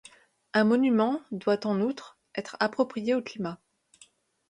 Un monument doit en outre être approprié au climat.